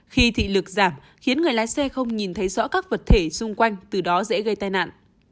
khi thị lực giảm khiến người lái xe không nhìn thấy rõ các vật thể xung quanh từ đó dễ gây tai nạn